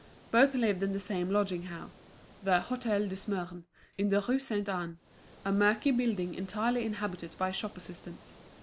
Both lived in the same lodging house, the Hôtel de Smyrne, in the Rue Sainte Anne, a murky building entirely inhabited by shop assistants.